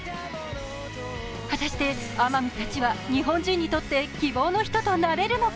果たして天海たちは日本人にとって希望のひととなれるのか。